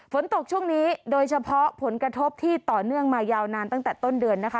ฝนตกช่วงนี้โดยเฉพาะผลกระทบที่ต่อเนื่องมายาวนานตั้งแต่ต้นเดือนนะคะ